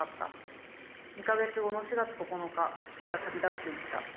２か月後の４月９日父は旅立っていった。